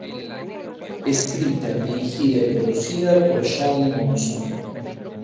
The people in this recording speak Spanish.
Escrita, dirigida y producida por Shaun Monson.